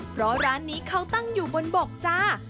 เพราะร้านนี้เขาตั้งอยู่บนบกจ้า